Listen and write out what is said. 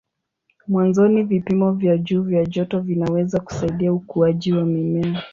Mwanzoni vipimo vya juu vya joto vinaweza kusaidia ukuaji wa mimea.